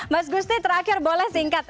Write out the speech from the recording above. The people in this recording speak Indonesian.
mas gusti terakhir boleh singkat